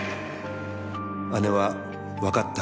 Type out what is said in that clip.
「姉はわかった。